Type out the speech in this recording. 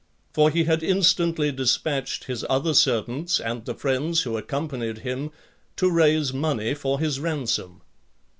For he had instantly dispatched his other servants and the friends who accompanied him, to raise money for his ransom .